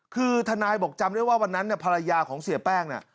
คือทนายบอกจำได้ว่าวันนั้นเนี่ยภรรยาของเสียแป้งเนี่ย